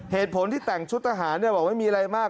เหตุผลที่แต่งชุดทหารบอกไม่มีอะไรมาก